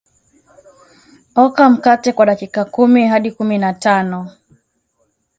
oka mkate kwa dakika kumi hadi kumi na tano